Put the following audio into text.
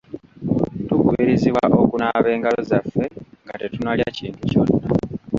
Tukubirizibwa okunaaba engalo zaffe nga tetunnalya kintu kyonna.